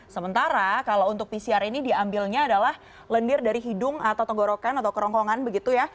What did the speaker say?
sementara kalau untuk pcr ini diambilnya adalah lendir dari hidung atau tenggorokan atau kerongkongan begitu ya